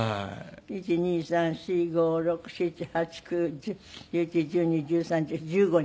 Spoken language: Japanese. １２３４５６７８９１０１１１２１３１４１５人？